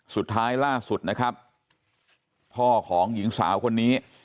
สุดท้ายล่าสุดนะครับพ่อของหญิงสาวคนนี้